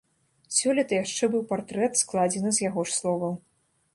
Сёлета яшчэ быў партрэт, складзены з яго ж словаў.